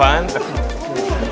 ini pak joseph